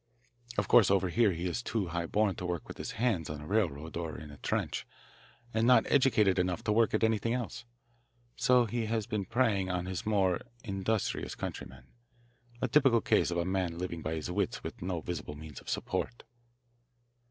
Of course over here he is too high born to work with his hands on a railroad or in a trench, and not educated enough to work at anything else. So he has been preying on his more industrious countrymen a typical case of a man living by his wits with no visible means of support.